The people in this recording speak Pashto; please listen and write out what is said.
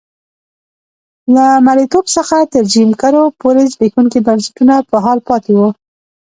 له مریتوب څخه تر جیم کرو پورې زبېښونکي بنسټونه په حال پاتې وو.